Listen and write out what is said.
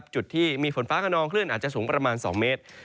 จุดที่มีฝนฟ้าขนองคลื่นอาจจะสูงประมาณ๒เมตร